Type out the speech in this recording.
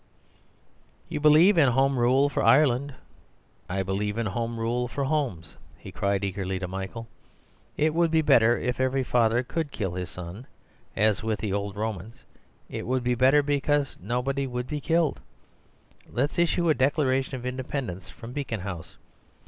"You believe in Home Rule for Ireland; I believe in Home Rule for homes," he cried eagerly to Michael. "It would be better if every father COULD kill his son, as with the old Romans; it would be better, because nobody would be killed. Let's issue a Declaration of Independence from Beacon House.